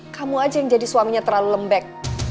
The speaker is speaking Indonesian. kamu aja yang jadi suaminya terlalu lembek